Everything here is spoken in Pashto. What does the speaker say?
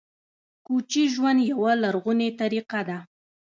کوچي ژوند یوه لرغونې طریقه ده